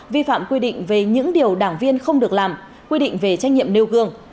vi phạm quy định về những điều đảng viên không được làm quy định về trách nhiệm nêu gương